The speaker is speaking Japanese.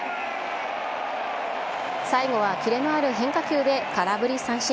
最後は切れのある変化球で空振り三振。